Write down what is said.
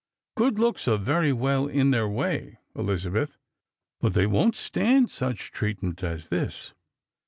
Good looks are very well in their way, Elizabeth ; but they won't stand such treatment as this.